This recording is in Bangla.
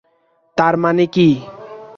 তার মানে কী?